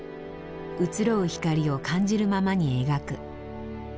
移ろう光を感じるままに描く。